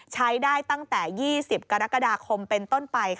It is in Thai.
ใช้ได้ตั้งแต่๒๐กรกฎาคมเป็นต้นไป